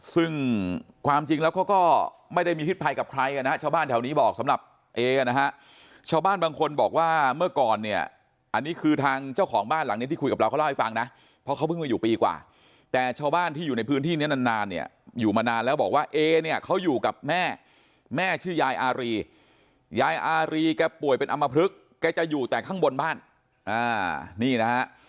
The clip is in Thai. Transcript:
ซึ่งความจริงแล้วก็ไม่ได้มีทฤษภัยกับใครนะชาวบ้านแถวนี้บอกสำหรับเอกนะฮะชาวบ้านบางคนบอกว่าเมื่อก่อนเนี่ยอันนี้คือทางเจ้าของบ้านหลังนี้ที่คุยกับเราเขาเล่าให้ฟังนะเพราะเขาเพิ่งมาอยู่ปีกว่าแต่ชาวบ้านที่อยู่ในพื้นที่นี้นานเนี่ยอยู่มานานแล้วบอกว่าเอกเนี่ยเขาอยู่กับแม่แม่ชื่อยายอารียายอาร